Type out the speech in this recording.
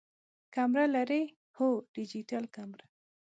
کمره لرئ؟ هو، ډیجیټل کمره